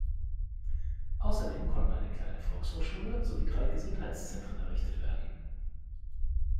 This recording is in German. Außerdem konnten eine kleine Volkshochschule, sowie drei Gesundheitszentren errichtet werden.